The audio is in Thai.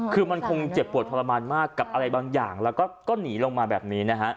คือมันคงเจ็บปวดทรมานมากกับอะไรบางอย่างแล้วก็หนีลงมาแบบนี้นะฮะ